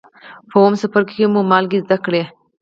په اووم څپرکي کې مو مالګې زده کړې.